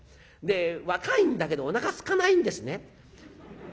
で若いんだけどおなかすかないんですね。